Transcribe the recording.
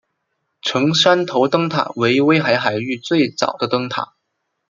成山头灯塔为威海海域最早的灯塔。